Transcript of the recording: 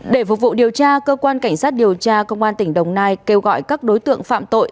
để phục vụ điều tra cơ quan cảnh sát điều tra công an tỉnh đồng nai kêu gọi các đối tượng phạm tội